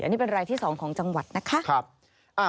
อันนี้เป็นรายที่๒ของจังหวัดนะคะ